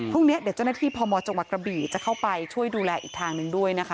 พรุ่งนี้เดี๋ยวเจ้าหน้าที่พมจังหวัดกระบี่จะเข้าไปช่วยดูแลอีกทางหนึ่งด้วยนะคะ